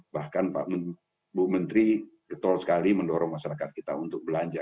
bahkan bu menteri getol sekali mendorong masyarakat kita untuk belanja